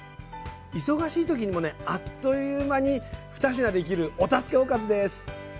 忙しい時にもねあっという間に２品できるお助けおかずです。